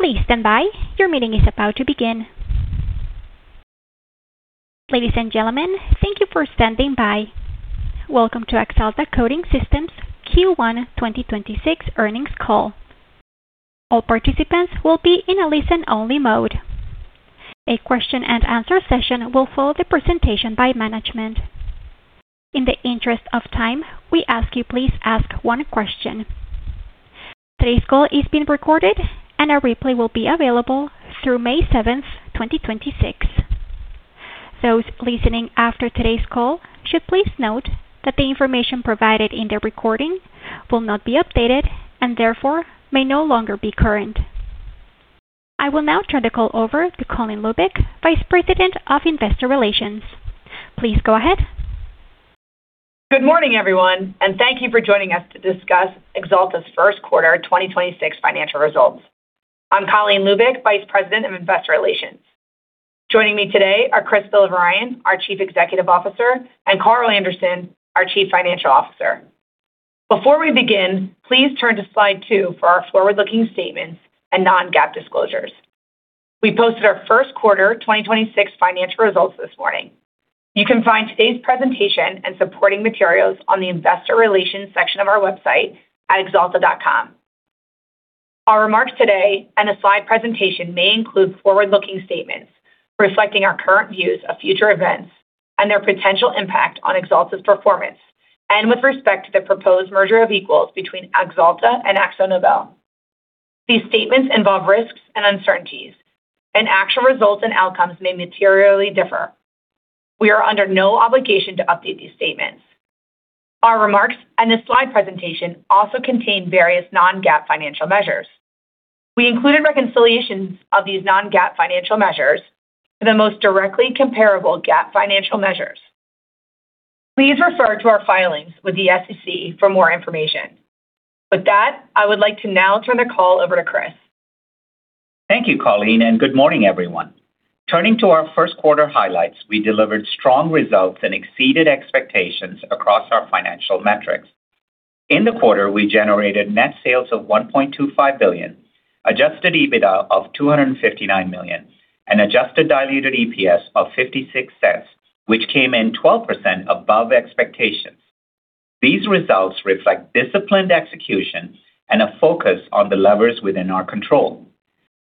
Ladies and gentlemen, thank you for standing by. Welcome to Axalta Coating Systems Q1 2026 earnings call. All participants will be in a listen-only mode. A question-and-answer session will follow the presentation by management. In the interest of time, we ask you please ask one question. Today's call is being recorded and a replay will be available through May 7, 2026. Those listening after today's call should please note that the information provided in the recording will not be updated and therefore may no longer be current. I will now turn the call over to Colleen Lubic, Vice President of Investor Relations. Please go ahead. Good morning, everyone, and thank you for joining us to discuss Axalta's first quarter 2026 financial results. I'm Colleen Lubic, Vice President of Investor Relations. Joining me today are Chris Villavarayan, our Chief Executive Officer, and Carl Anderson, our Chief Financial Officer. Before we begin, please turn to Slide two for our forward-looking statements and non-GAAP disclosures. We posted our first quarter 2026 financial results this morning. You can find today's presentation and supporting materials on the investor relations section of our website at axalta.com. Our remarks today and a slide presentation may include forward-looking statements reflecting our current views of future events and their potential impact on Axalta's performance and with respect to the proposed merger of equals between Axalta and AkzoNobel. These statements involve risks and uncertainties, and actual results and outcomes may materially differ. We are under no obligation to update these statements. Our remarks and the slide presentation also contain various non-GAAP financial measures. We included reconciliations of these non-GAAP financial measures to the most directly comparable GAAP financial measures. Please refer to our filings with the SEC for more information. With that, I would like to now turn the call over to Chris. Thank you, Colleen. Good morning, everyone. Turning to our first quarter highlights, we delivered strong results and exceeded expectations across our financial metrics. In the quarter, we generated net sales of $1.25 billion, Adjusted EBITDA of $259 million and adjusted diluted EPS of $0.56, which came in 12% above expectations. These results reflect disciplined execution and a focus on the levers within our control.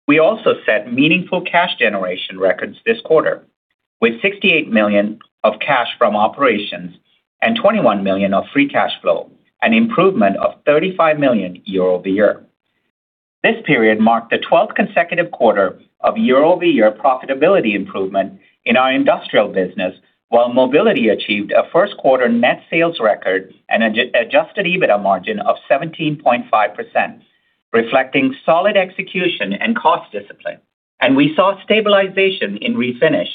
We also set meaningful cash generation records this quarter. With $68 million of cash from operations and $21 million of free cash flow, an improvement of $35 million year-over-year. This period marked the 12th consecutive quarter of year-over-year profitability improvement in our industrial business, while Mobility achieved a first quarter net sales record and Adjusted EBITDA margin of 17.5%, reflecting solid execution and cost discipline. We saw stabilization in Refinish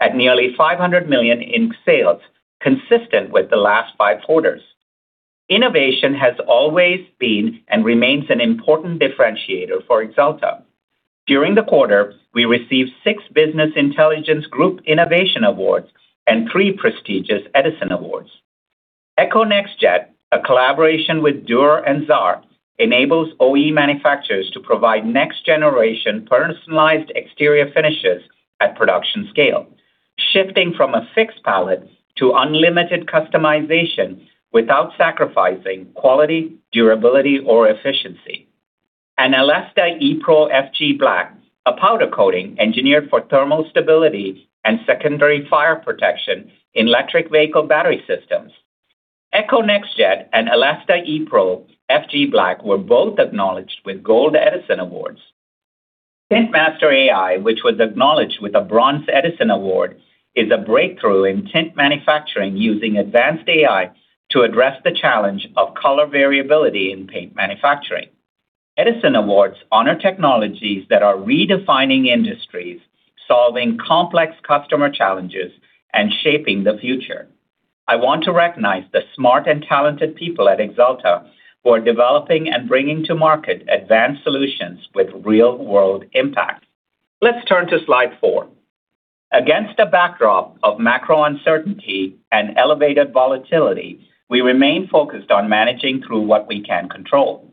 at nearly $500 million in sales, consistent with the last five quarters. Innovation has always been and remains an important differentiator for Axalta. During the quarter, we received six Business Intelligence Group Innovation Awards and three prestigious Edison Awards. NextJet, a collaboration with Dürr and XAAR, enables OE manufacturers to provide next-generation personalized exterior finishes at production scale, shifting from a fixed palette to unlimited customization without sacrificing quality, durability, or efficiency. Elasta E-Pro FG Black, a powder coating engineered for thermal stability and secondary fire protection in electric vehicle battery systems. NextJet and Elasta E-Pro FG Black were both acknowledged with Gold Edison Awards. TintMaster AI, which was acknowledged with a Bronze Edison Award, is a breakthrough in tint manufacturing using advanced AI to address the challenge of color variability in paint manufacturing. Edison Awards honor technologies that are redefining industries, solving complex customer challenges, and shaping the future. I want to recognize the smart and talented people at Axalta for developing and bringing to market advanced solutions with real-world impact. Let's turn to Slide four. Against a backdrop of macro uncertainty and elevated volatility, we remain focused on managing through what we can control.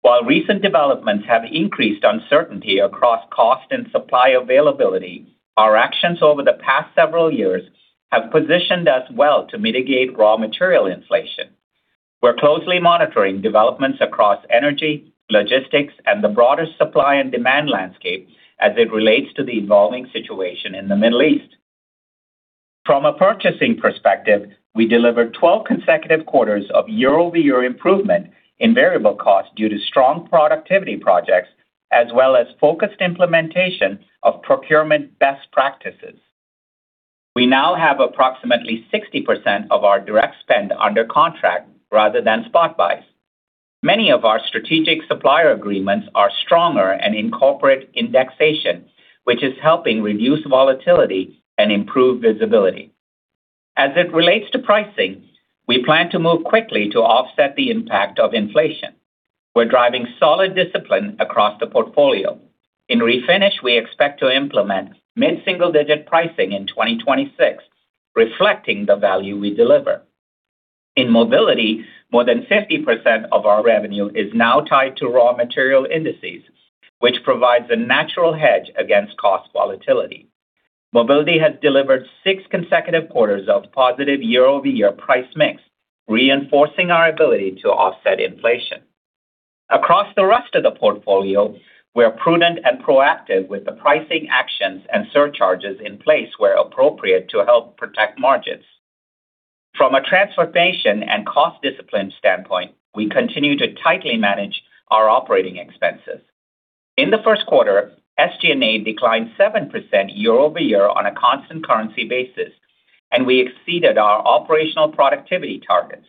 While recent developments have increased uncertainty across cost and supply availability, our actions over the past several years have positioned us well to mitigate raw material inflation. We're closely monitoring developments across energy, logistics, and the broader supply and demand landscape as it relates to the evolving situation in the Middle East. From a purchasing perspective, we delivered 12 consecutive quarters of year-over-year improvement in variable cost due to strong productivity projects as well as focused implementation of procurement best practices. We now have approximately 60% of our direct spend under contract rather than spot buys. Many of our strategic supplier agreements are stronger and incorporate indexation, which is helping reduce volatility and improve visibility. As it relates to pricing, we plan to move quickly to offset the impact of inflation. We're driving solid discipline across the portfolio. In Refinish, we expect to implement mid-single-digit pricing in 2026, reflecting the value we deliver. In Mobility, more than 50% of our revenue is now tied to raw material indices, which provides a natural hedge against cost volatility. Mobility has delivered six consecutive quarters of positive year-over-year price mix, reinforcing our ability to offset inflation. Across the rest of the portfolio, we're prudent and proactive with the pricing actions and surcharges in place where appropriate to help protect margins. From a transformation and cost discipline standpoint, we continue to tightly manage our operating expenses. In the first quarter, SG&A declined 7% year-over-year on a constant currency basis, and we exceeded our operational productivity targets.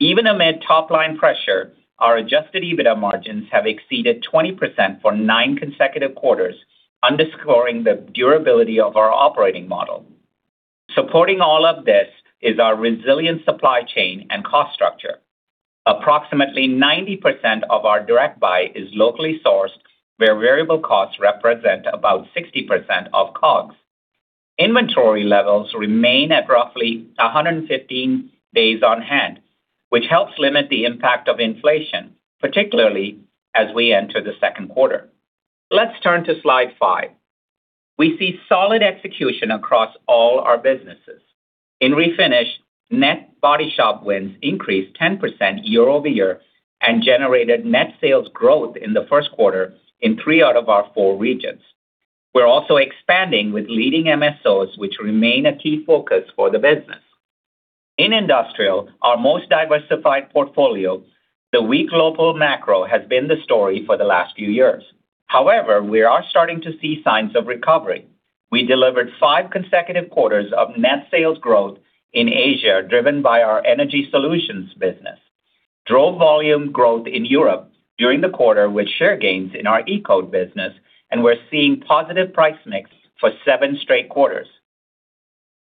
Even amid top-line pressure, our Adjusted EBITDA margins have exceeded 20% for nine consecutive quarters, underscoring the durability of our operating model. Supporting all of this is our resilient supply chain and cost structure. Approximately 90% of our direct buy is locally sourced where variable costs represent about 60% of COGS. Inventory levels remain at roughly 115 days on hand, which helps limit the impact of inflation, particularly as we enter the second quarter. Let's turn to Slide five. We see solid execution across all our businesses. In Refinish, net body shop wins increased 10% year-over-year and generated net sales growth in the first quarter in three out of our four regions. We're also expanding with leading MSOs, which remain a key focus for the business. In Industrial, our most diversified portfolio, the weak local macro has been the story for the last few years. However, we are starting to see signs of recovery. We delivered five consecutive quarters of net sales growth in Asia, driven by our Energy Solutions business, drove volume growth in Europe during the quarter with share gains in our E-Coat business, and we're seeing positive price mix for seven straight quarters.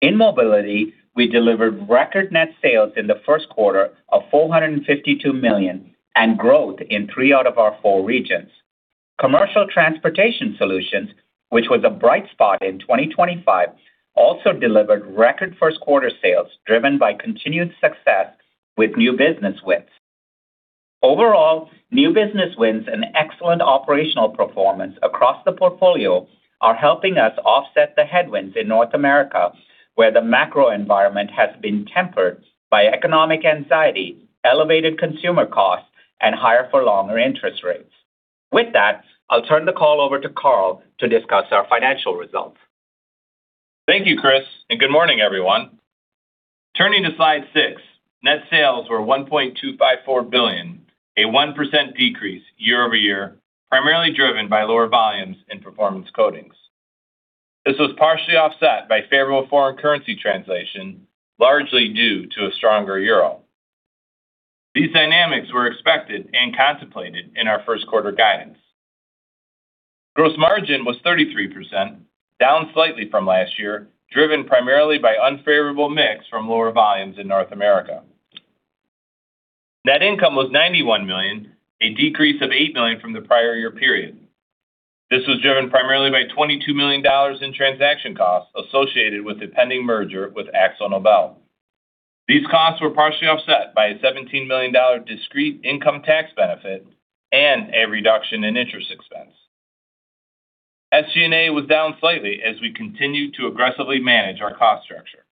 In Mobility, we delivered record net sales in the first quarter of $452 million and growth in three out of our four regions. Commercial Transportation Solutions, which was a bright spot in 2025, also delivered record first quarter sales, driven by continued success with new business wins. Overall, new business wins and excellent operational performance across the portfolio are helping us offset the headwinds in North America, where the macro environment has been tempered by economic anxiety, elevated consumer costs, and higher for longer interest rates. With that, I'll turn the call over to Carl to discuss our financial results. Thank you, Chris, and good morning, everyone. Turning to Slide six, net sales were $1.254 billion, a 1% decrease year-over-year, primarily driven by lower volumes in performance coatings. This was partially offset by favorable foreign currency translation, largely due to a stronger euro. These dynamics were expected and contemplated in our 1st quarter guidance. Gross margin was 33%, down slightly from last year, driven primarily by unfavorable mix from lower volumes in North America. Net income was $91 million, a decrease of $8 million from the prior year period. This was driven primarily by $22 million in transaction costs associated with the pending merger with AkzoNobel. These costs were partially offset by a $17 million discrete income tax benefit and a reduction in interest expense. SG&A was down slightly as we continued to aggressively manage our cost structure.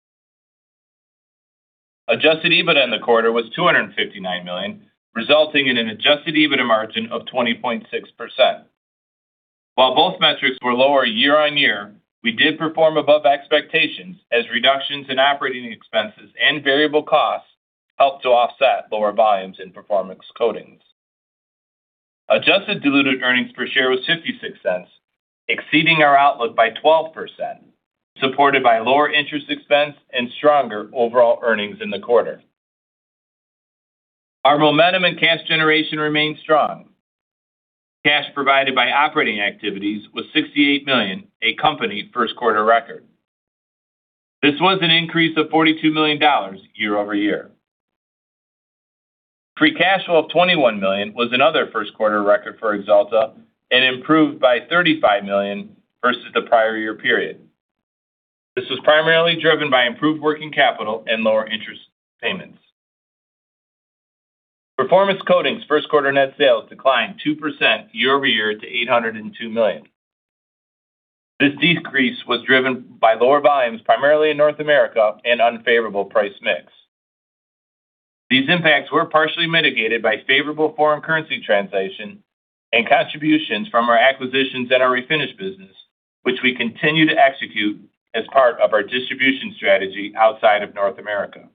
Adjusted EBITDA in the quarter was $259 million, resulting in an adjusted EBITDA margin of 20.6%. While both metrics were lower year-over-year, we did perform above expectations as reductions in operating expenses and variable costs helped to offset lower volumes in performance coatings. Adjusted diluted earnings per share was $0.56, exceeding our outlook by 12%, supported by lower interest expense and stronger overall earnings in the quarter. Our momentum and cash generation remained strong. Cash provided by operating activities was $68 million, a company first quarter record. This was an increase of $42 million year-over-year. Free cash flow of $21 million was another first quarter record for Axalta and improved by $35 million versus the prior year period. This was primarily driven by improved working capital and lower interest payments. Performance coatings first quarter net sales declined 2% year-over-year to $802 million. This decrease was driven by lower volumes primarily in North America and unfavorable price mix. These impacts were partially mitigated by favorable foreign currency translation and contributions from our acquisitions in our refinish business, which we continue to execute as part of our distribution strategy outside of North America.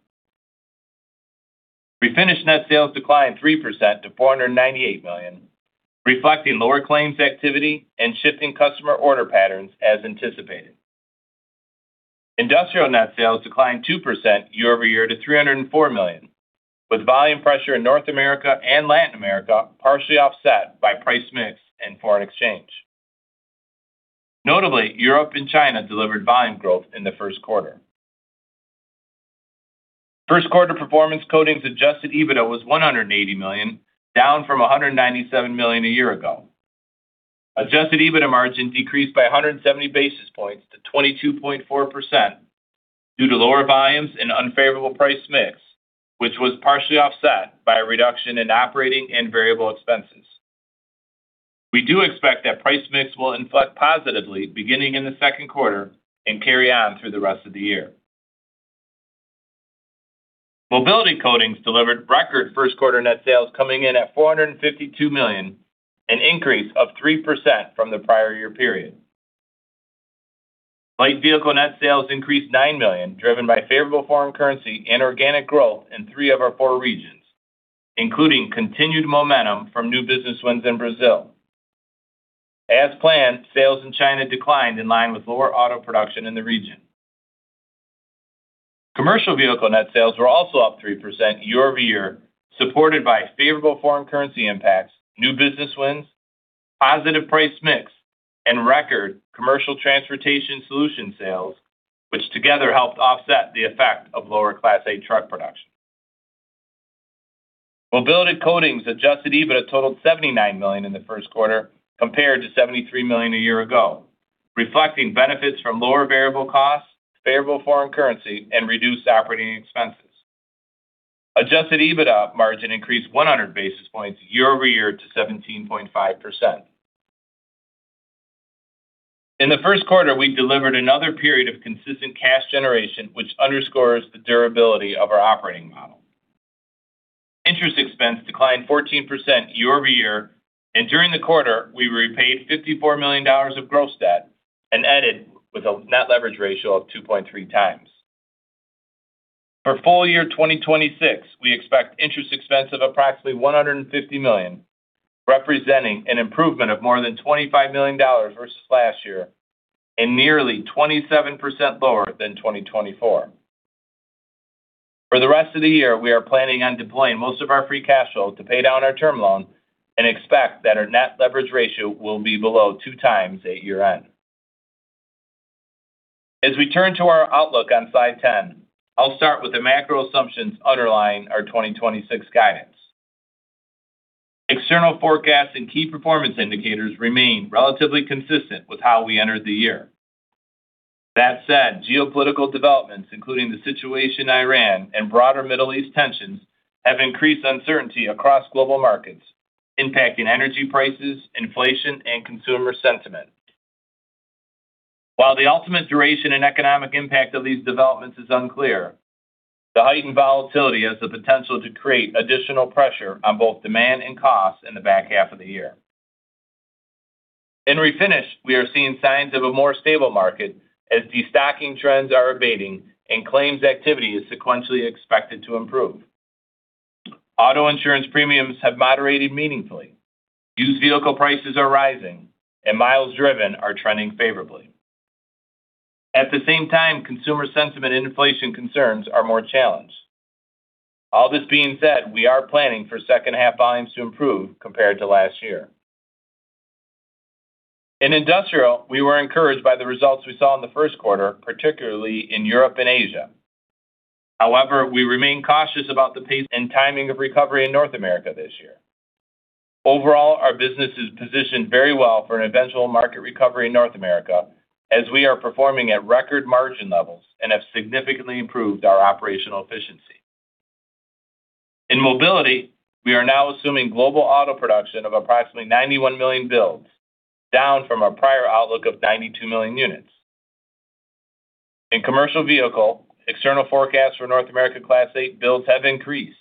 Refinish net sales declined 3% to $498 million, reflecting lower claims activity and shifting customer order patterns as anticipated. Industrial net sales declined 2% year-over-year to $304 million, with volume pressure in North America and Latin America partially offset by price mix and foreign exchange. Notably, Europe and China delivered volume growth in the first quarter. First quarter performance coatings Adjusted EBITDA was $180 million, down from $197 million a year ago. Adjusted EBITDA margin decreased by 170 basis points to 22.4% due to lower volumes and unfavorable price mix, which was partially offset by a reduction in operating and variable expenses. We do expect that price mix will inflect positively beginning in the second quarter and carry on through the rest of the year. Mobility Coatings delivered record first quarter net sales coming in at $452 million, an increase of 3% from the prior year period. Light Vehicle net sales increased $9 million, driven by favorable foreign currency and organic growth in three of our four regions, including continued momentum from new business wins in Brazil. As planned, sales in China declined in line with lower auto production in the region. Commercial vehicle net sales were also up 3% year-over-year, supported by favorable foreign currency impacts, new business wins, positive price mix, and record Commercial Transportation solution sales, which together helped offset the effect of lower Class 8 truck production. Mobility coatings Adjusted EBITDA totaled $79 million in the first quarter, compared to $73 million a year ago, reflecting benefits from lower variable costs, favorable foreign currency, and reduced operating expenses. Adjusted EBITDA margin increased 100 basis points year-over-year to 17.5%. In the first quarter, we delivered another period of consistent cash generation, which underscores the durability of our operating model. Interest expense declined 14% year-over-year, and during the quarter, we repaid $54 million of gross debt and ended with a net leverage ratio of 2.3x. For full-year 2026, we expect interest expense of approximately $150 million, representing an improvement of more than $25 million versus last year and nearly 27% lower than 2024. For the rest of the year, we are planning on deploying most of our free cash flow to pay down our term loan and expect that our net leverage ratio will be below 2x at year end. As we turn to our outlook on Slide 10, I'll start with the macro assumptions underlying our 2026 guidance. External forecasts and key performance indicators remain relatively consistent with how we entered the year. That said, geopolitical developments, including the situation in Iran and broader Middle East tensions, have increased uncertainty across global markets, impacting energy prices, inflation, and consumer sentiment. While the ultimate duration and economic impact of these developments is unclear, the heightened volatility has the potential to create additional pressure on both demand and cost in the back half of the year. In refinish, we are seeing signs of a more stable market as destocking trends are abating and claims activity is sequentially expected to improve. Auto insurance premiums have moderated meaningfully. Used vehicle prices are rising and miles driven are trending favorably. At the same time, consumer sentiment inflation concerns are more challenged. All this being said, we are planning for second half volumes to improve compared to last year. In industrial, we were encouraged by the results we saw in the first quarter, particularly in Europe and Asia. However, we remain cautious about the pace and timing of recovery in North America this year. Overall, our business is positioned very well for an eventual market recovery in North America as we are performing at record margin levels and have significantly improved our operational efficiency. In mobility, we are now assuming global auto production of approximately 91 million builds, down from our prior outlook of 92 million units. In commercial vehicle, external forecasts for North America Class 8 builds have increased,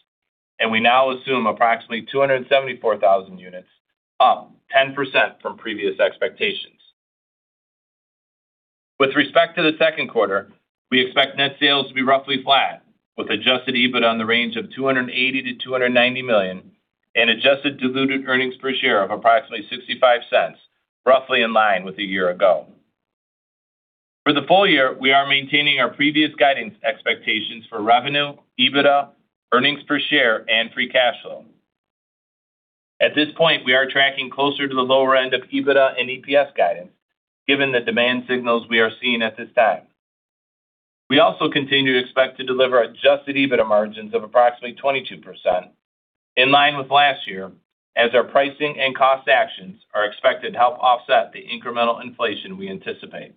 and we now assume approximately 274,000 units, up 10% from previous expectations. With respect to the second quarter, we expect net sales to be roughly flat with adjusted EBIT on the range of $280 million-$290 million and adjusted diluted earnings per share of approximately $0.65, roughly in line with a year ago. For the full-year, we are maintaining our previous guidance expectations for revenue, EBITDA, earnings per share and free cash flow. At this point, we are tracking closer to the lower end of EBITDA and EPS guidance given the demand signals we are seeing at this time. We also continue to expect to deliver adjusted EBITDA margins of approximately 22%, in line with last year as our pricing and cost actions are expected to help offset the incremental inflation we anticipate.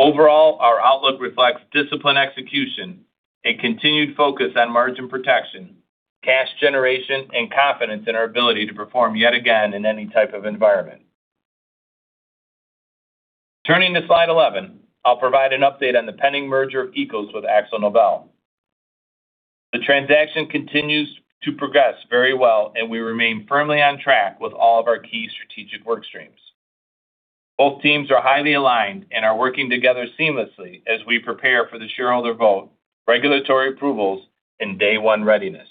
Overall, our outlook reflects disciplined execution and continued focus on margin protection, cash generation and confidence in our ability to perform yet again in any type of environment. Turning to slide 11, I'll provide an update on the pending merger of Axalta with AkzoNobel. The transaction continues to progress very well, and we remain firmly on track with all of our key strategic work streams. Both teams are highly aligned and are working together seamlessly as we prepare for the shareholder vote, regulatory approvals and day one readiness.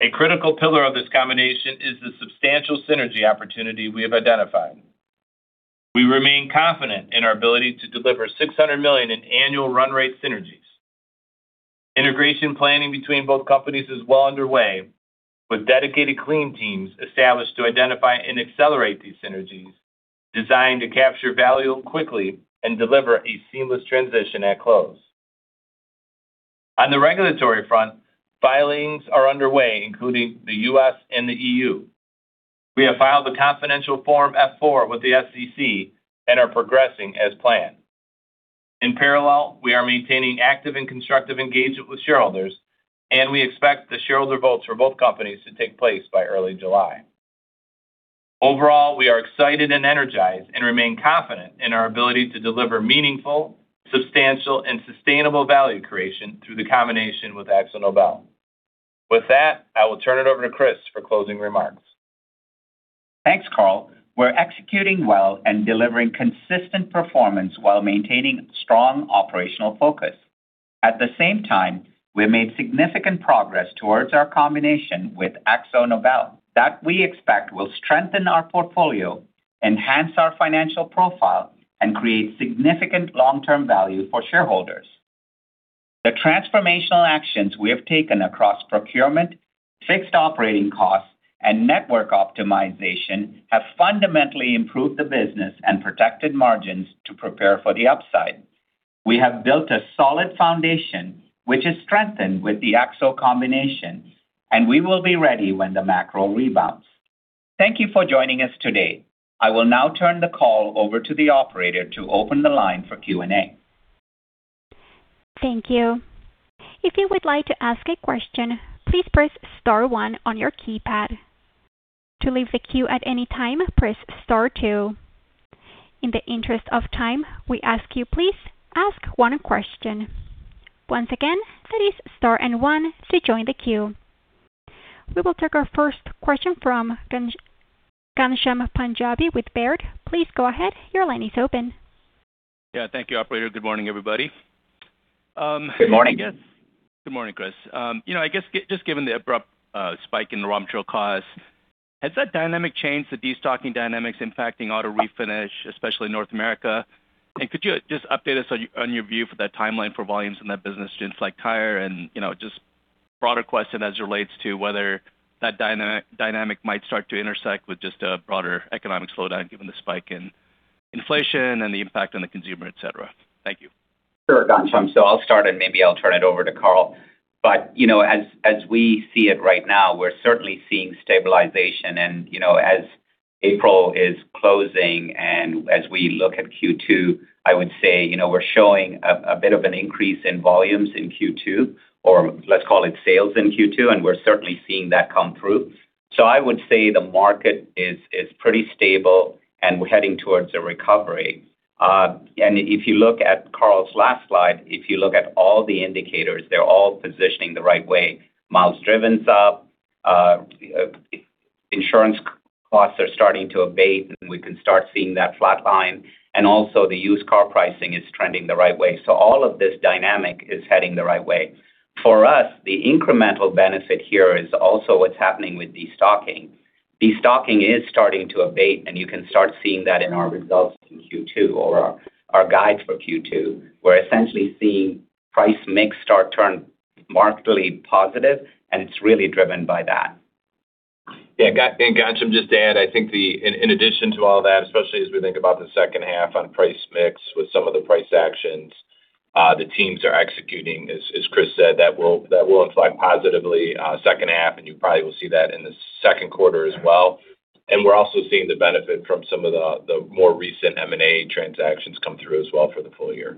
A critical pillar of this combination is the substantial synergy opportunity we have identified. We remain confident in our ability to deliver $600 million in annual run rate synergies. Integration planning between both companies is well underway with dedicated clean teams established to identify and accelerate these synergies designed to capture value quickly and deliver a seamless transition at close. On the regulatory front, filings are underway, including the U.S. and the EU. We have filed a confidential Form F-4 with the SEC and are progressing as planned. In parallel, we are maintaining active and constructive engagement with shareholders, and we expect the shareholder votes for both companies to take place by early July. Overall, we are excited and energized and remain confident in our ability to deliver meaningful, substantial, and sustainable value creation through the combination with AkzoNobel. With that, I will turn it over to Chris for closing remarks. Thanks, Carl. We're executing well and delivering consistent performance while maintaining strong operational focus. At the same time, we made significant progress towards our combination with AkzoNobel that we expect will strengthen our portfolio, enhance our financial profile, and create significant long-term value for shareholders. The transformational actions we have taken across procurement, fixed operating costs, and network optimization have fundamentally improved the business and protected margins to prepare for the upside. We have built a solid foundation, which is strengthened with the Akzo combination, and we will be ready when the macro rebounds. Thank you for joining us today. I will now turn the call over to the operator to open the line for Q&A. Thank you. If you would like to ask a question, please press star one on your keypad. To leave the queue at any time, press star two. In the interest of time, we ask you, please ask one question. Once again, that is star and one to join the queue. We will take our first question from Ghansham Panjabi with Baird. Please go ahead. Your line is open. Yeah. Thank you, operator. Good morning, everybody. Good morning. Good morning, Chris. You know, I guess just given the abrupt spike in raw material costs, has that dynamic changed the destocking dynamics impacting auto refinish, especially North America? Could you just update us on your view for that timeline for volumes in that business, just like tire and, you know, just broader question as it relates to whether that dynamic might start to intersect with just a broader economic slowdown given the spike in inflation and the impact on the consumer, et cetera. Thank you. Sure, Ghansham. I'll start, and maybe I'll turn it over to Carl. You know, as we see it right now, we're certainly seeing stabilization. You know, as April is closing and as we look at Q2, I would say, you know, we're showing a bit of an increase in volumes in Q2, or let's call it sales in Q2, and we're certainly seeing that come through. I would say the market is pretty stable and we're heading towards a recovery. If you look at Carl's last slide, if you look at all the indicators, they're all positioning the right way. Miles driven is up. Insurance costs are starting to abate, and we can start seeing that flatline. Also the used car pricing is trending the right way. All of this dynamic is heading the right way. For us, the incremental benefit here is also what's happening with destocking. Destocking is starting to abate, and you can start seeing that in our results in Q2 or our guide for Q2. We're essentially seeing price mix start turn markedly positive, and it's really driven by that. Ghansham, just to add, in addition to all that, especially as we think about the second half on price mix with some of the price actions, the teams are executing, as Chris said, that will imply positively, second half, and you probably will see that in the second quarter as well. We are also seeing the benefit from some of the more recent M&A transactions come through as well for the full-year.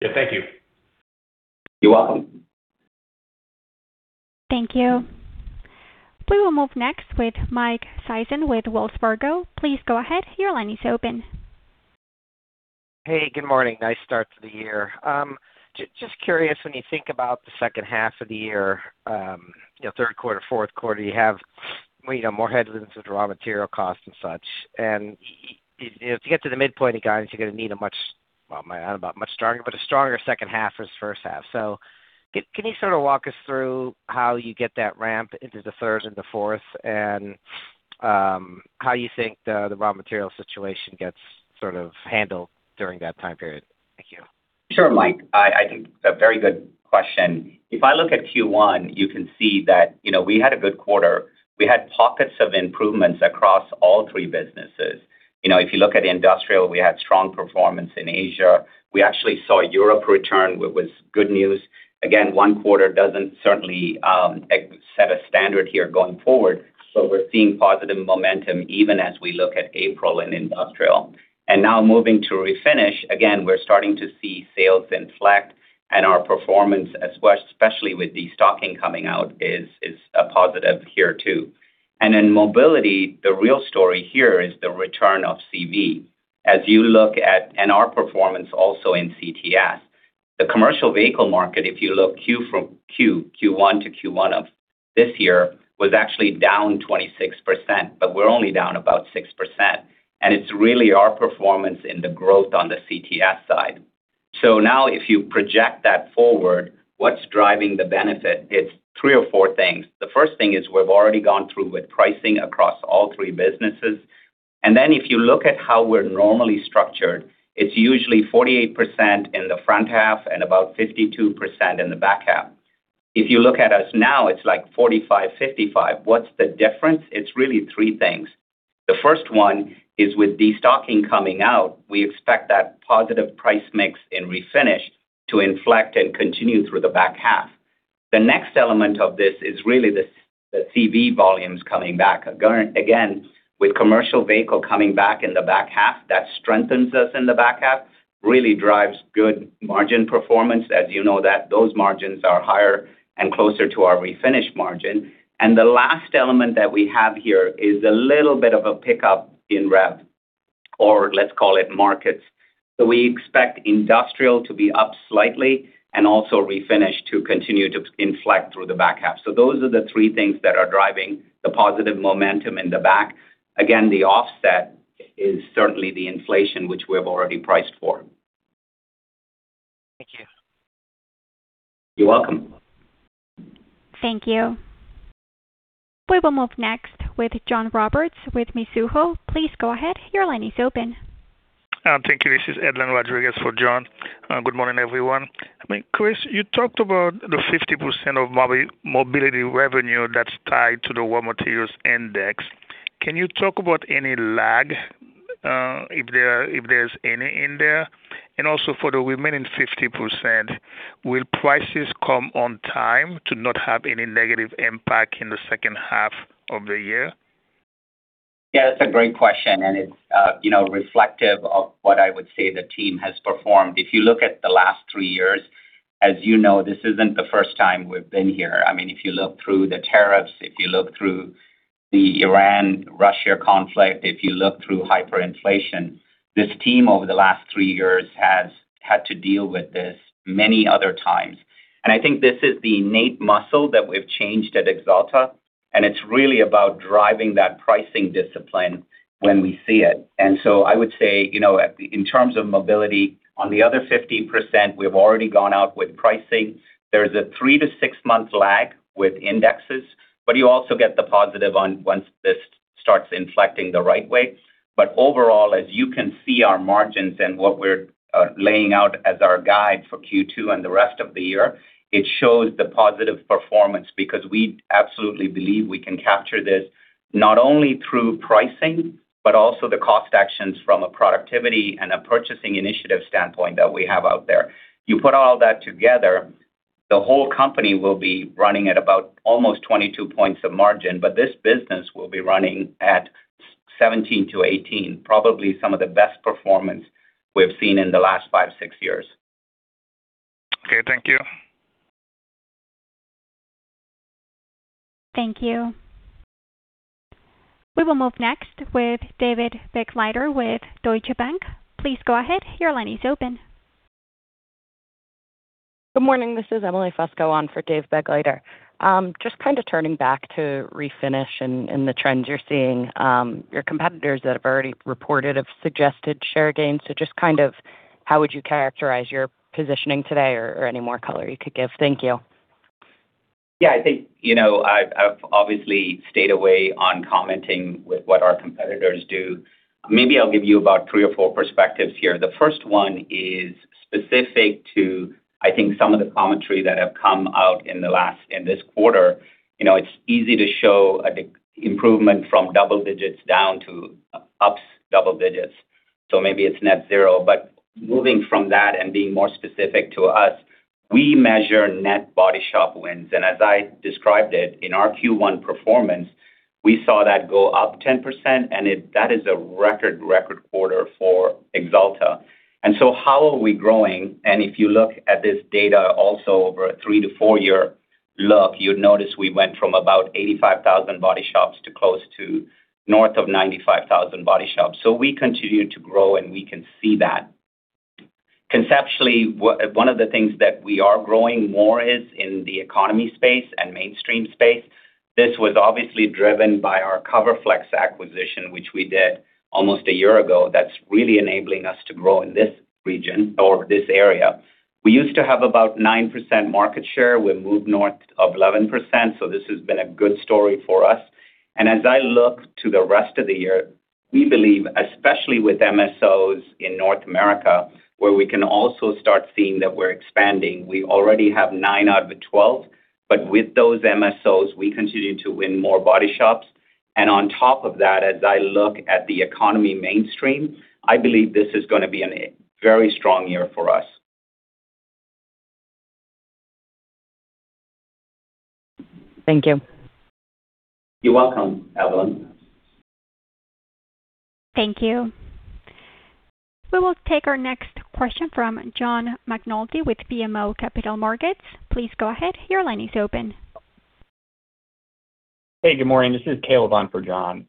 Yeah. Thank you. You're welcome. Thank you. We will move next with Michael Sison with Wells Fargo. Please go ahead. Your line is open. Hey, good morning. just curious, when you think about the second half of the year, you know, third quarter, fourth quarter, you have, you know, more headwinds with raw material costs and such. You know, to get to the midpoint of guidance, you're gonna need a not much stronger, but a stronger second half as first half. Can you sort of walk us through how you get that ramp into the third and the fourth how you think the raw material situation gets sort of handled during that time period? Thank you. Sure, Mike. I think a very good question. If I look at Q1, you can see that, you know, we had a good quarter. We had pockets of improvements across all three businesses. You know, if you look at industrial, we had strong performance in Asia. We actually saw Europe return, which was good news. Again, one quarter doesn't certainly set a standard here going forward, but we're seeing positive momentum even as we look at April in industrial. Now moving to Refinish, again, we're starting to see sales inflect and our performance, especially with destocking coming out, is a positive here too. In Mobility, the real story here is the return of CV and our performance also in CTS. The Commercial Transportation market, if you look Q1 to Q1 of this year, was actually down 26%, we're only down about 6%, it's really our performance in the growth on the CTS side. Now if you project that forward, what's driving the benefit? It's three or four things. The first thing is we've already gone through with pricing across all three businesses. Then if you look at how we're normally structured, it's usually 48% in the front half and about 52% in the back half. If you look at us now, it's like 45%, 55%. What's the difference? It's really three things. The first one is with destocking coming out, we expect that positive price mix in Refinish to inflect and continue through the back half. The next element of this is really the CV volumes coming back. Again, with commercial vehicle coming back in the back half, that strengthens us in the back half, really drives good margin performance. As you know that those margins are higher and closer to our Refinish margin. The last element that we have here is a little bit of a pickup in Rev, or let's call it markets. We expect Industrial to be up slightly and also Refinish to continue to inflect through the back half. Those are the three things that are driving the positive momentum in the back. Again, the offset is certainly the inflation, which we have already priced for. Thank you. You're welcome. Thank you. We will move next with John Roberts with Mizuho. Please go ahead. Thank you. This is Edlain Rodriguez for John. Good morning, everyone. I mean, Chris, you talked about the 50% of mobility revenue that's tied to the raw materials index. Can you talk about any lag, if there, if there's any in there? Also for the remaining 50%, will prices come on time to not have any negative impact in the second half of the year? Yeah, that's a great question, and it's, you know, reflective of what I would say the team has performed. If you look at the last three years, as you know, this isn't the first time we've been here. I mean, if you look through the tariffs, if you look through the Iran-Russia relations, if you look through hyperinflation, this team over the last three years has had to deal with this many other times. I think this is the innate muscle that we've changed at Axalta, and it's really about driving that pricing discipline when we see it. I would say, you know, in terms of mobility, on the other 50%, we've already gone out with pricing. There's a three to six-month lag with indexes, but you also get the positive on once this starts inflecting the right way. Overall, as you can see our margins and what we're laying out as our guide for Q2 and the rest of the year, it shows the positive performance because we absolutely believe we can capture this not only through pricing, but also the cost actions from a productivity and a purchasing initiative standpoint that we have out there. You put all that together, the whole company will be running at about almost 22 points of margin, but this business will be running at 17-18, probably some of the best performance we've seen in the last five, six years. Okay, thank you. Thank you. We will move next with David Begleiter with Deutsche Bank. Please go ahead. Your line is open. Good morning. This is Emily Fusco on for David Begleiter. Just kind of turning back to Refinish and the trends you're seeing, your competitors that have already reported have suggested share gains. Just kind of how would you characterize your positioning today or any more color you could give? Thank you. Yeah, I think, you know, I've obviously stayed away on commenting with what our competitors do. Maybe I'll give you about three or four perspectives here. The first one is specific to, I think, some of the commentary that have come out in this quarter. You know, it's easy to show a improvement from double-digits down to up double-digits, so maybe it's net zero. Moving from that and being more specific to us, we measure net body shop wins. As I described it in our Q1 performance, we saw that go up 10%, that is a record quarter for Axalta. How are we growing? If you look at this data also over a three to four year look, you'd notice we went from about 85,000 body shops to close to north of 95,000 body shops. We continue to grow, and we can see that. Conceptually, one of the things that we are growing more is in the economy space and mainstream space. This was obviously driven by our CoverFlexx acquisition, which we did almost a year ago. That's really enabling us to grow in this region or this area. We used to have about 9% market share. We moved north of 11%, so this has been a good story for us. As I look to the rest of the year, we believe, especially with MSOs in North America, where we can also start seeing that we're expanding. We already have nine out of the 12, with those MSOs, we continue to win more body shops. On top of that, as I look at the economy mainstream, I believe this is going to be a very strong year for us. Thank you. You're welcome, Emily Fusco. Thank you. We will take our next question from John McNulty with BMO Capital Markets. Please go ahead. Your line is open. Hey, good morning. This is Caleb on for John.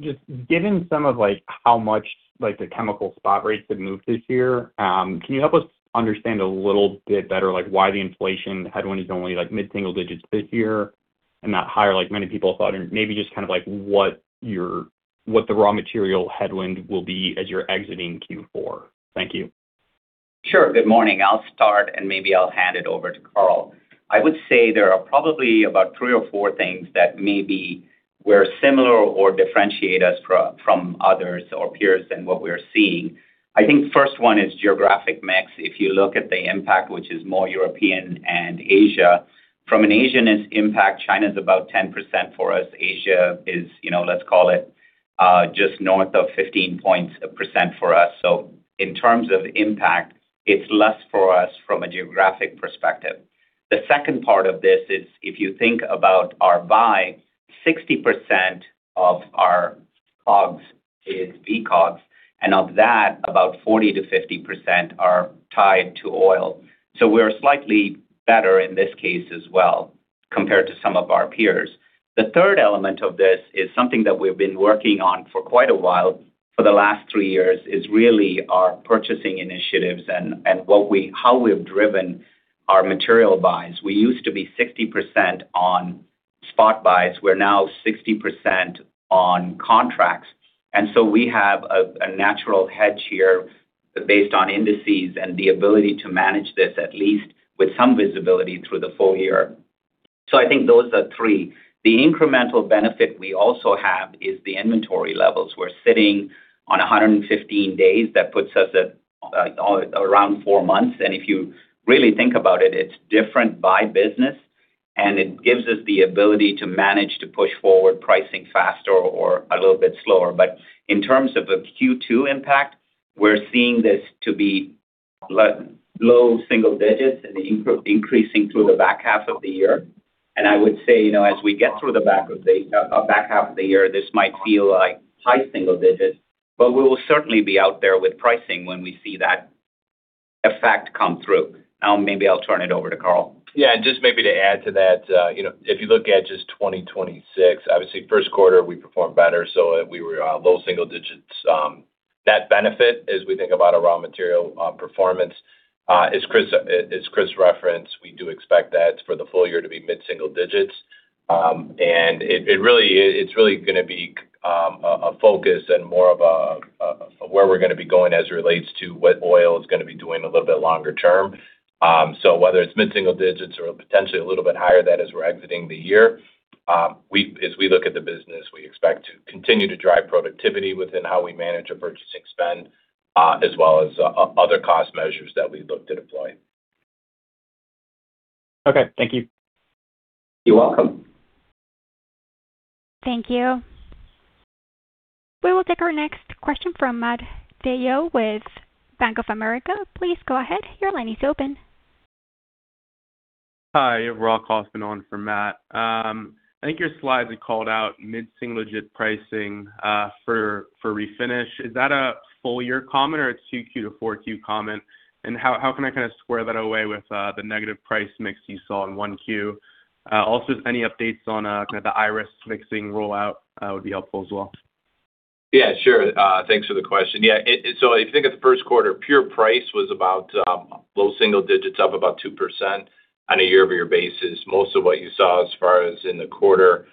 Just given some of, like, how much, like, the chemical spot rates have moved this year, can you help us understand a little bit better, like, why the inflation headwind is only, like, mid-single digits this year and not higher like many people thought? Maybe just kind of like what the raw material headwind will be as you're exiting Q4. Thank you. Sure. Good morning. I'll start, and maybe I'll hand it over to Carl. I would say there are probably about three or four things that maybe we're similar or differentiate us from others or peers than what we're seeing. I think first one is geographic mix. If you look at the impact, which is more European and Asia. From an Asian impact, China's about 10% for us. Asia is, you know, let's call it, just north of 15 points percent for us. In terms of impact, it's less for us from a geographic perspective. The second part of this is if you think about our buy, 60% of our COGS is PCOGs, and of that, about 40%-50% are tied to oil. We're slightly better in this case as well compared to some of our peers. The third element of this is something that we've been working on for quite a while, for the last three years, is really our purchasing initiatives and how we have driven our material buys. We used to be 60% on spot buys. We're now 60% on contracts. So we have a natural hedge here based on indices and the ability to manage this, at least with some visibility through the full-year. I think those are three. The incremental benefit we also have is the inventory levels. We're sitting on 115 days. That puts us at around four months. If you really think about it's different by business, and it gives us the ability to manage to push forward pricing faster or a little bit slower. In terms of a Q2 impact, we're seeing this to be low-single-digits and increasing through the back half of the year. I would say, you know, as we get through the back half of the year, this might feel like high-single-digits, but we will certainly be out there with pricing when we see that effect come through. Maybe I'll turn it over to Carl. Yeah, just maybe to add to that, you know, if you look at just 2026, obviously first quarter we performed better, we were low-single-digits. That benefit as we think about our raw material performance, as Chris referenced, we do expect that for the full-year to be mid-single-digits. It's really gonna be a focus and more of a where we're gonna be going as it relates to what oil is gonna be doing a little bit longer term. Whether it's mid-single-digits or potentially a little bit higher, that is, we're exiting the year, as we look at the business, we expect to continue to drive productivity within how we manage our purchasing spend, as well as other cost measures that we look to deploy. Okay. Thank you. You're welcome. Thank you. We will take our next question from Adeo with Bank of America. Please go ahead. Hi, you have Rock Hoffman on for Matt. I think your slides had called out mid-single-digit pricing for Refinish. Is that a full-year comment or a 2Q to 4Q comment? How can I kind of square that away with the negative price mix you saw in 1Q? Also, any updates on kind of the Axalta Irus Mix rollout would be helpful as well. Yeah, sure. Thanks for the question. If you think of the first quarter, pure price was about low-single-digits, up about 2% on a year-over-year basis. Most of what you saw as far as in the quarter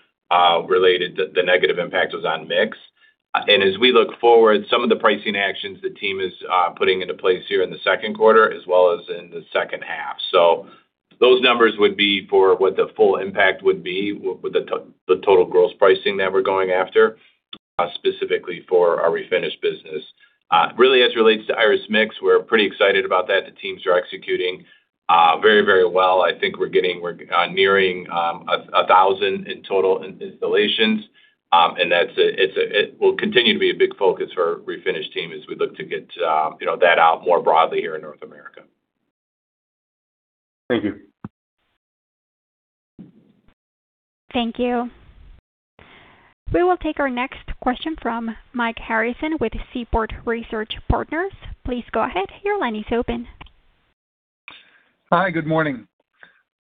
related to the negative impact was on mix. As we look forward, some of the pricing actions the team is putting into place here in the second quarter as well as in the second half. Those numbers would be for what the full impact would be with the total gross pricing that we're going after specifically for our Refinish business. Really as relates to Irus Mix, we're pretty excited about that. The teams are executing very well. We're nearing a 1,000 in total installations. It will continue to be a big focus for Refinish team as we look to get, you know, that out more broadly here in North America. Thank you. Thank you. We will take our next question from Michael Harrison with Seaport Research Partners. Hi, good morning.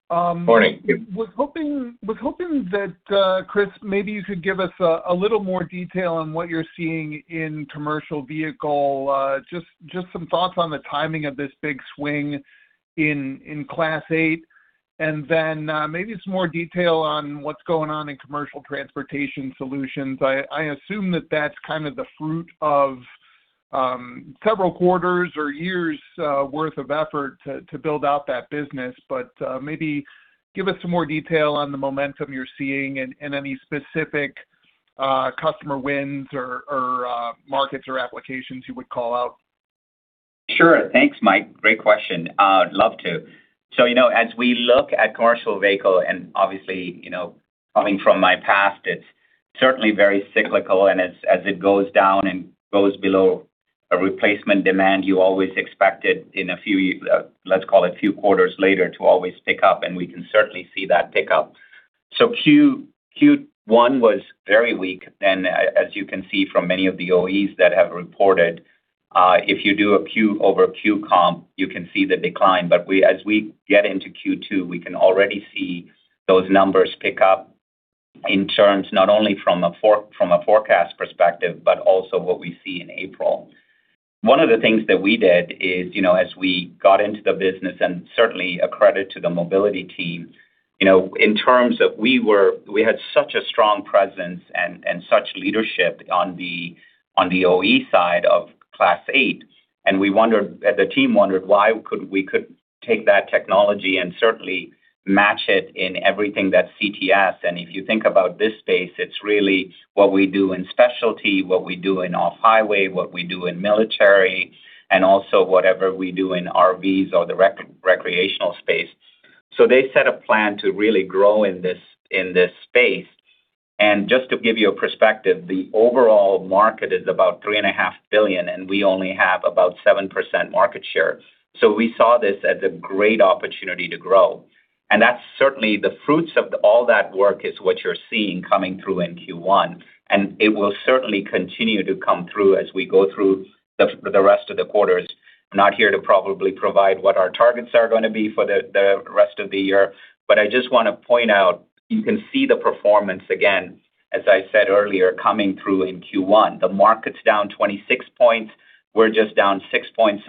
Morning. Was hoping that Chris, maybe you could give us a little more detail on what you're seeing in commercial vehicle. Just some thoughts on the timing of this big swing in Class 8. Maybe some more detail on what's going on in Commercial Transportation solutions. I assume that that's kind of the fruit of several quarters' or years' worth of effort to build out that business, but maybe give us some more detail on the momentum you're seeing and any specific customer wins or markets or applications you would call out. Sure. Thanks, Mike. Great question. I'd love to. You know, as we look at commercial vehicle and obviously, you know, coming from my past, it's certainly very cyclical and as it goes down and goes below a replacement demand, you always expect it in a few, let's call it few quarters later to always pick up, and we can certainly see that pick up. Q1 was very weak. As you can see from many of the OEs that have reported, if you do a Q-over-Q comp, you can see the decline. As we get into Q2, we can already see those numbers pick up in terms not only from a from a forecast perspective, but also what we see in April. One of the things that we did is, you know, as we got into the business and certainly a credit to the mobility team, you know, in terms of we had such a strong presence and such leadership on the OE side of Class 8. We wondered, the team wondered why we could take that technology and certainly match it in everything that's CTS. If you think about this space, it's really what we do in specialty, what we do in off-highway, what we do in military, and also whatever we do in RVs or the recreational space. They set a plan to really grow in this, in this space. Just to give you a perspective, the overall market is about $3.5 billion, and we only have about 7% market share. We saw this as a great opportunity to grow. That's certainly the fruits of all that work is what you're seeing coming through in Q1. It will certainly continue to come through as we go through the rest of the quarters. I'm not here to probably provide what our targets are gonna be for the rest of the year, but I just wanna point out, you can see the performance again, as I said earlier, coming through in Q1. The market's down 26 points. We're just down six points.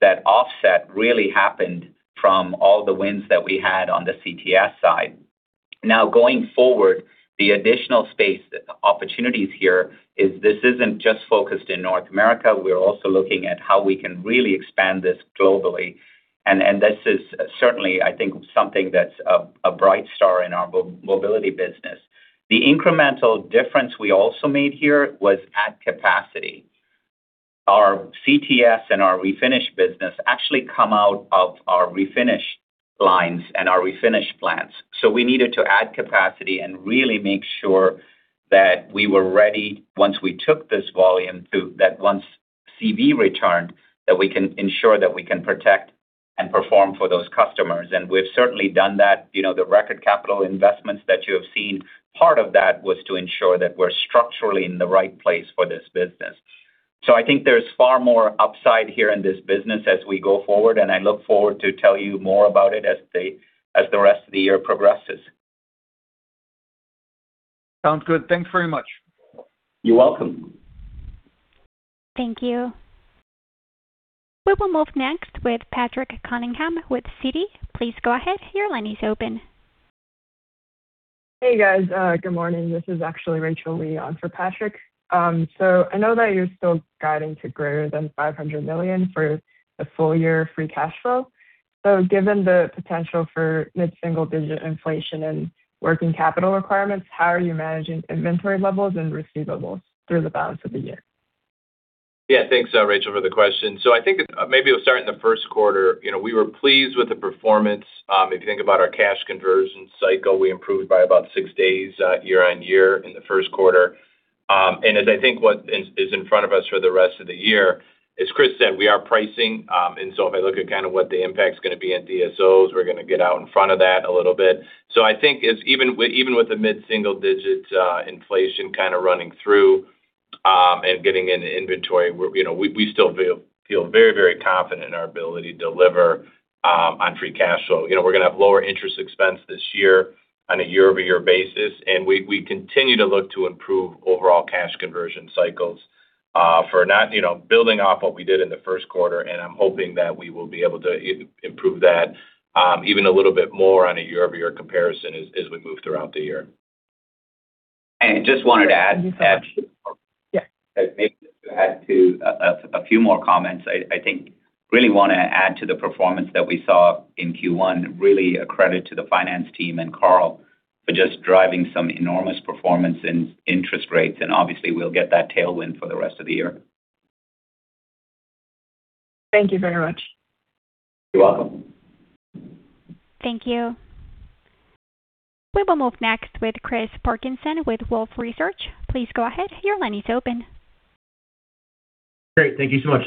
That offset really happened from all the wins that we had on the CTS side. Now going forward, the additional space, the opportunities here is this isn't just focused in North America. We're also looking at how we can really expand this globally. This is certainly, I think, something that's a bright star in our mobility business. The incremental difference we also made here was add capacity. Our CTS and our Refinish business actually come out of our Refinish lines and our Refinish plants. We needed to add capacity and really make sure that we were ready once we took this volume that once CV returned, that we can ensure that we can protect and perform for those customers. We've certainly done that. You know, the record capital investments that you have seen, part of that was to ensure that we're structurally in the right place for this business. I think there's far more upside here in this business as we go forward, and I look forward to tell you more about it as the rest of the year progresses. Sounds good. Thanks very much. You're welcome. Thank you. We will move next with Patrick Cunningham with Citi. Please go ahead your line is open. Hey, guys. Good morning. This is actually Rachel Lee on for Patrick. I know that you're still guiding to greater than $500 million for the full-year free cash flow. Given the potential for mid-single-digit inflation and working capital requirements, how are you managing inventory levels and receivables through the balance of the year? Yeah, thanks, Rachel, for the question. I think maybe we'll start in the first quarter. You know, we were pleased with the performance. If you think about our cash conversion cycle, we improved by about six days year-over-year in the first quarter. As I think what is in front of us for the rest of the year, as Chris said, we are pricing. If I look at kind of what the impact's gonna be at DSOs, we're gonna get out in front of that a little bit. I think it's even with the mid-single-digit inflation kind of running through and getting into inventory, we're, you know, we still feel very, very confident in our ability to deliver on free cash flow. You know, we're gonna have lower interest expense this year on a year-over-year basis. We continue to look to improve overall cash conversion cycles. You know, building off what we did in the first quarter, and I'm hoping that we will be able to improve that even a little bit more on a year-over-year comparison as we move throughout the year. I just wanted to add to that. Yeah. Maybe just to add to a few more comments. I think really wanna add to the performance that we saw in Q1, really a credit to the finance team and Carl for just driving some enormous performance in interest rates, and obviously we'll get that tailwind for the rest of the year. Thank you very much. You're welcome. Thank you. We will move next with Chris Parkinson with Wolfe Research. Please go ahead. Your line is open. Great. Thank you so much.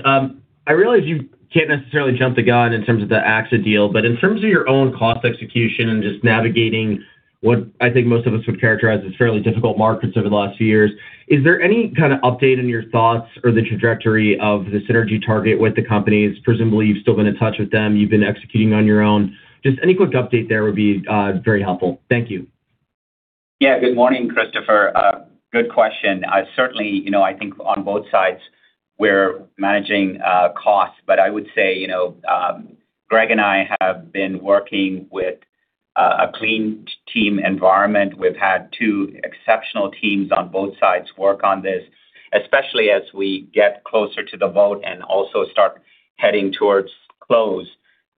I realize you can't necessarily jump the gun in terms of the Akzo deal, but in terms of your own cost execution and just navigating what I think most of us would characterize as fairly difficult markets over the last few years, is there any kind of update on your thoughts or the trajectory of the synergy target with the companies? Presumably, you've still been in touch with them, you've been executing on your own. Just any quick update there would be very helpful. Thank you. Good morning, Christopher. Good question. Certainly, you know, I think on both sides, we're managing costs. I would say, you know, Greg and I have been working with a clean team environment. We've had two exceptional teams on both sides work on this, especially as we get closer to the vote and also start heading towards close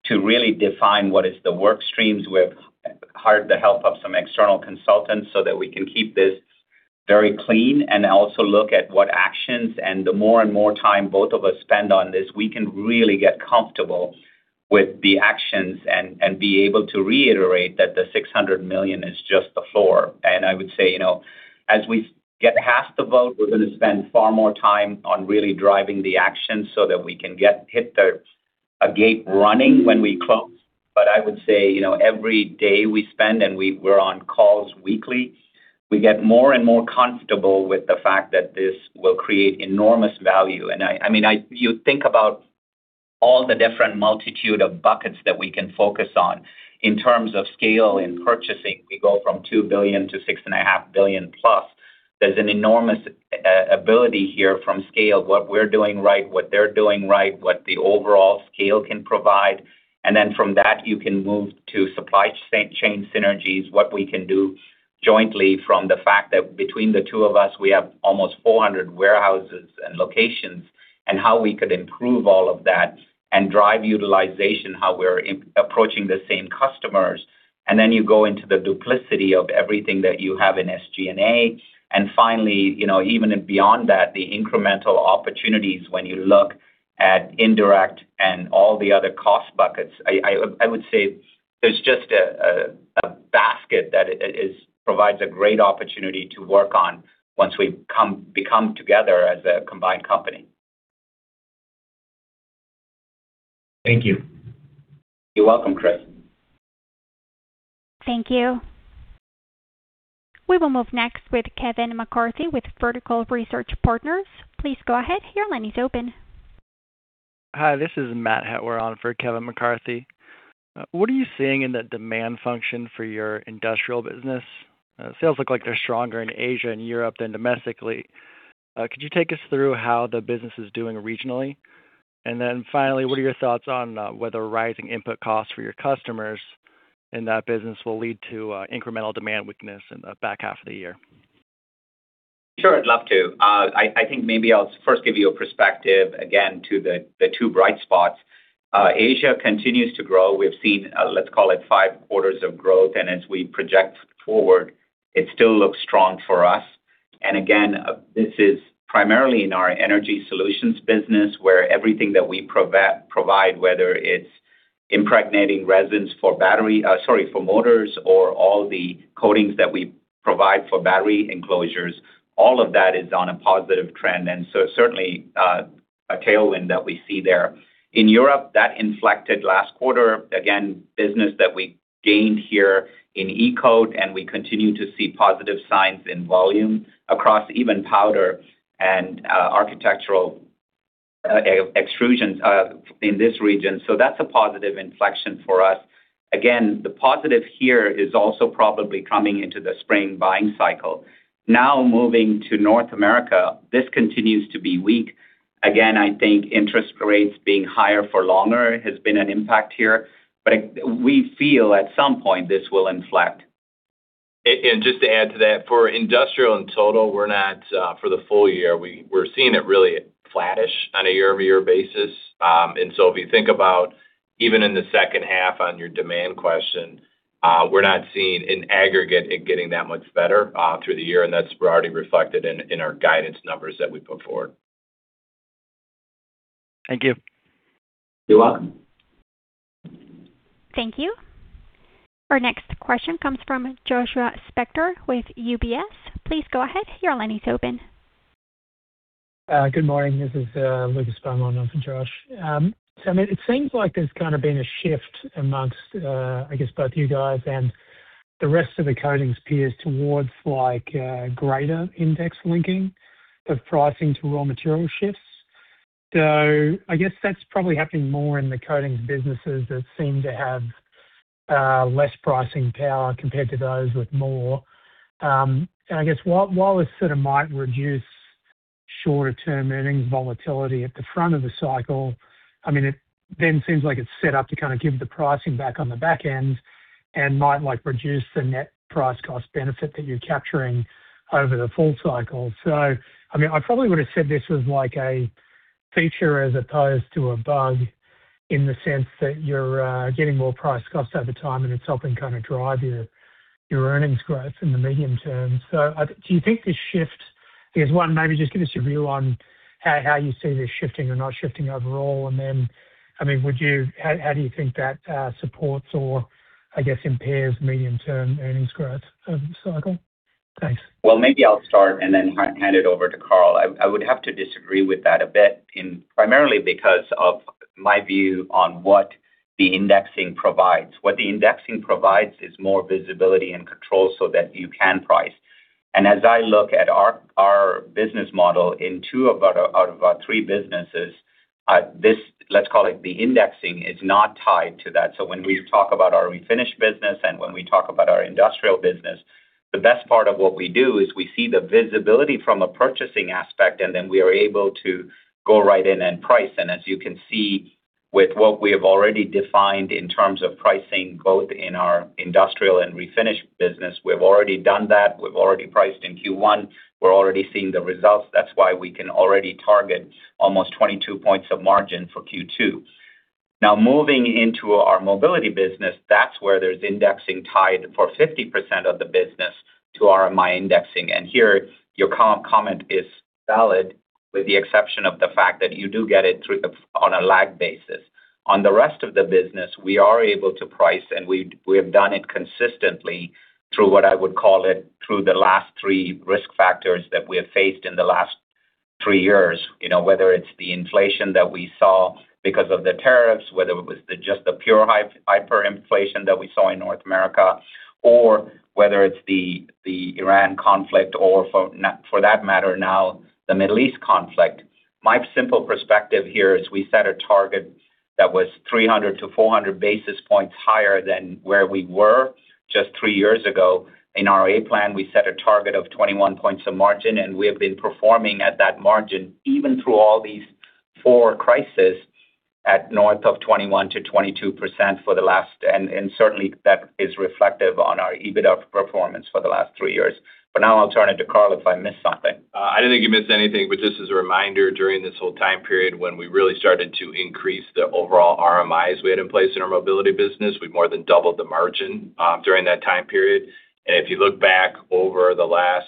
to really define what is the work streams. We've hired the help of some external consultants so that we can keep this very clean and also look at what actions. The more and more time both of us spend on this, we can really get comfortable with the actions and be able to reiterate that the $600 million is just the floor. I would say, you know, as we get past the vote, we're going to spend far more time on really driving the action so that we can hit a gate running when we close. I would say, you know, every day we spend, and we're on calls weekly, we get more and more comfortable with the fact that this will create enormous value. I mean, I. You think about all the different multitude of buckets that we can focus on. In terms of scale in purchasing, we go from $2 billion-$6.5 billion+. There's an enormous ability here from scale, what we're doing right, what they're doing right, what the overall scale can provide. Then from that, you can move to supply chain synergies, what we can do jointly from the fact that between the two of us, we have almost 400 warehouses and locations, and how we could improve all of that and drive utilization, how we're approaching the same customers. Then you go into the duplicity of everything that you have in SG&A. Finally, you know, even beyond that, the incremental opportunities when you look at indirect and all the other cost buckets. I would say there's just a basket that is provides a great opportunity to work on once we become together as a combined company. Thank you. You're welcome, Chris. Thank you. We will move next with Kevin McCarthy with Vertical Research Partners. Please go ahead. Your line is open. Hi, this is Matt Hettwer on for Kevin McCarthy. What do you think in that demand function for your industrial business? It feels like they are stronger in Asia, in Europe than domestically. Could you take us through how the business is doing regionally? And then finally, what are your thoughts on whether rising input costs for your customers in that business will lead to incremental demand with back half of the year? Sure, I'd love to. I think maybe I'll first give you a perspective again to the two bright spot. Asia continues to grow. We have seen let's call it five quarters of growth. And as we project forward, it still looks strong for us. And again, this is primarily in our Energy Solutions Business where everything that we provide, whether impregnating resins for battery, sorry motors, or all the coatings that we provide for battery enclosures. All of that is done on a positive trend. And so, certainly a tailwind that we see there in Europe that inflected last quarter. Again, business that we gained here in e-code, and we continue to see positive signs in volumes across even powder and architectural extrusion in this region. So that's a positive inflection for us again. The positive here is also probably coming into the spring buying cycle. Now moving to North America, this continues to be weak again. I think interest rates being higher for longer has been an impact here. But we feel at some point this will inflate. And just to add to that for industrial in total, we are not for the full-year. We we're seeing it really flat-ish on a year-over-year basis and so we think about even in the second half on your demand question. We are not seeing in aggregate in getting that much better through the year and that's rarity reflected in our guidance number that we look for. Thank you. You're welcome. Thank you. Our next question comes from Joshua Spector with UBS. Please go ahead. Good morning. This is Lucas Beaumont in for Josh. I mean, it seems like there's kinda been a shift amongst, I guess, both you guys and the rest of the coatings peers towards like greater index-linking the pricing to raw material shifts. I guess that's probably happening more in the coatings businesses that seem to have less pricing power compared to those with more. I guess while it sort of might reduce shorter-term earnings volatility at the front of the cycle, I mean, it then seems like it's set up to kinda give the pricing back on the back end and might like reduce the net price cost benefit that you're capturing over the full cycle. I mean, I probably would have said this was like a feature as opposed to a bug in the sense that you're getting more price cost over time, and it's helping kind of drive your earnings growth in the medium term. Do you think this shift is one maybe just give us your view on how you see this shifting or not shifting overall? I mean, how do you think that supports or I guess impairs medium-term earnings growth of the cycle? Thanks. Well, maybe I'll start and then hand it over to Carl. I would have to disagree with that a bit in primarily because of my view on what the indexing provides. What the indexing provides is more visibility and control so that you can price. As I look at our business model in two of our, out of our three businesses, this let's call it the indexing, is not tied to that. When we talk about our refinish business and when we talk about our industrial business, the best part of what we do is we see the visibility from a purchasing aspect, and then we are able to go right in and price. As you can see with what we have already defined in terms of pricing, both in our industrial and refinish business, we've already done that. We've already priced in Q1. We're already seeing the results. That's why we can already target almost 22 points of margin for Q2. Moving into our mobility business, that's where there's indexing tied for 50% of the business to RMI indexing. Here your comment is valid with the exception of the fact that you do get it through the on a lag basis. On the rest of the business, we are able to price, and we have done it consistently through what I would call it, through the last three risk factors that we have faced in the last three years. You know, whether it's the inflation that we saw because of the tariffs, whether it was the just the pure hyperinflation that we saw in North America or whether it's the Iran conflict or for that matter now, the Middle East conflict. My simple perspective here is we set a target that was 300 basis points-400 basis points higher than where we were just three years ago. In our A plan, we set a target of 21 points of margin, we have been performing at that margin even through all these four crises at north of 21%-22% for the last. Certainly that is reflective on our EBITDA performance for the last three years. Now I'll turn it to Carl if I missed something. I didn't think you missed anything, but just as a reminder, during this whole time period when we really started to increase the overall RMIs we had in place in our mobility business, we more than doubled the margin during that time period. If you look back over the last,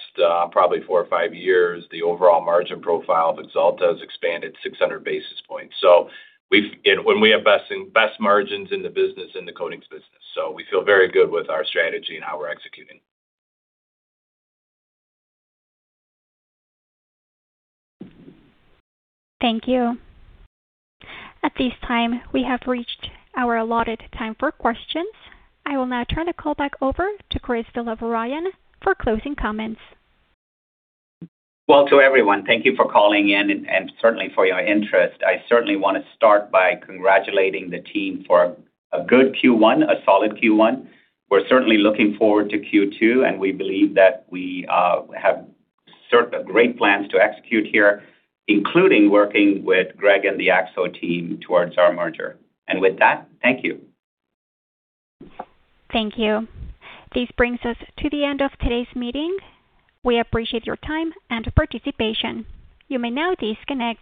probably four or five years, the overall margin profile of Axalta has expanded 600 basis points. We invest in best margins in the business, in the coatings business. We feel very good with our strategy and how we're executing. Thank you. At this time, we have reached our allotted time for questions. I will now turn the call back over to Chris Villavarayan for closing comments. Well, to everyone, thank you for calling in and certainly for your interest. I certainly wanna start by congratulating the team for a good Q1, a solid Q1. We're certainly looking forward to Q2, we believe that we have great plans to execute here, including working with Greg and the Akzo team towards our merger. With that, thank you. Thank you. This brings us to the end of today's meeting. We appreciate your time and participation. You may now disconnect.